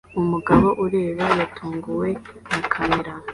Umugabo ureba yatunguwe na kamera